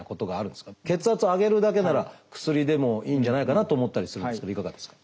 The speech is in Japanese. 血圧を上げるだけなら薬でもいいんじゃないかなって思ったりするんですけどいかがですか？